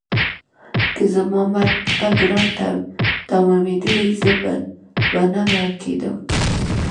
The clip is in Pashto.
که زما مرګ په تا ګران تمامېدلی زه به نه مړه کېدم.